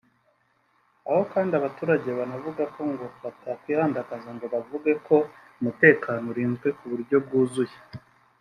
Aho kandi abo baturage banavuga ko ngo batakwihandagaza ngo bavuge ko umutekano urinzwe ku buryo bwuzuye